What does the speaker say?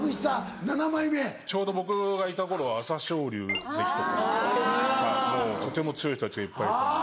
ちょうど僕がいた頃は朝青龍関とかもうとても強い人たちがいっぱいいたので。